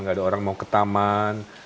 gak ada orang mau ke taman